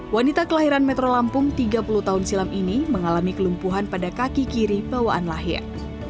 wanita kelahiran metro lampung tiga puluh tahun silam ini mengalami kelumpuhan pada kaki kiri bawaan lahir